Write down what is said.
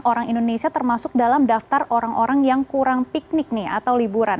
orang indonesia termasuk dalam daftar orang orang yang kurang piknik nih atau liburan